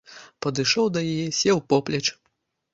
Падышоў да яе, сеў поплеч.